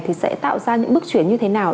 thì sẽ tạo ra những bước chuyển như thế nào